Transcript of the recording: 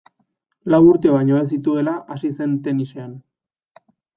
Lau urte baino ez zituela hasi zen tenisean.